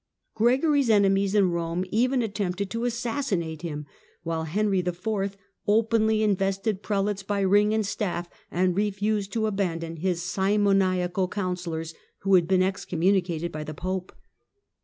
Gregory's enemies in Eome even attempted to assassinate him, while Henry IV. openly invested prelates by ring and staff, and refused to abandon his simoniacal counsellors, who had been excom municated by the Pope.